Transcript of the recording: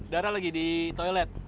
dara lagi di toilet